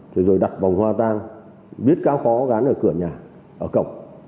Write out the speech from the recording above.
thế rồi đặt vòng hoa tang biết cao khó gắn ở cửa nhà ở cổng